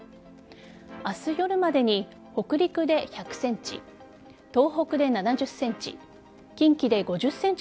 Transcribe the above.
明日夜までに北陸で１００ｃｍ東北で７０ｃｍ